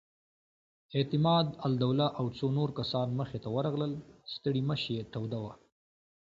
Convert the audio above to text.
اعتماد الدوله او څو نور کسان مخې ته ورغلل، ستړې مشې یې توده وه.